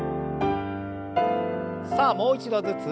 さあもう一度ずつ。